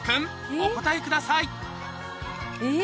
お答えくださいえぇ？